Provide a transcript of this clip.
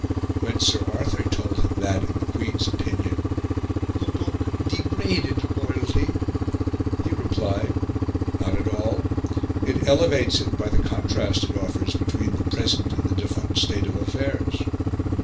When Sir Arthur told him that, in the Queen's opinion, "the book degraded royalty," he replied: "Not at all; it elevates it by the contrast it offers between the present and the defunct state of affairs."